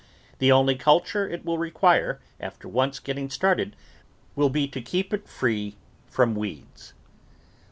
The only culture it will require after once getting started will be to keep it free from weeds.